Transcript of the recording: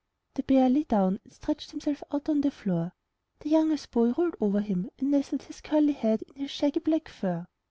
The bear lay down and stretched himself out on the floor; the youngest boy rolled over him and nestled his curly head in the shaggy black fur.